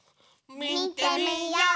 みてみよう！